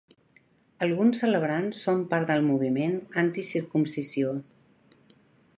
Alguns celebrants són part del moviment anticircumcisió.